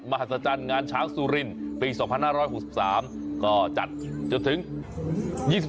มหสจันทร์งานช้างซุรินปีสองพันห้าร้อยหกสิบความก็จัดจะถึงยี่สิบ